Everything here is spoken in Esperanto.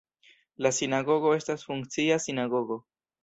La sinagogo estas funkcia sinagogo.